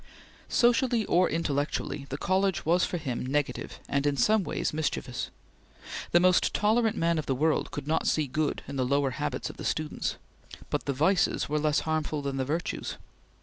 Socially or intellectually, the college was for him negative and in some ways mischievous. The most tolerant man of the world could not see good in the lower habits of the students, but the vices were less harmful than the virtues.